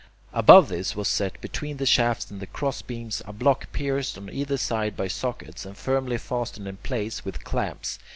Above this was set, between the shafts and the crossbeams, a block pierced on either side by sockets, and firmly fastened in place with clamps.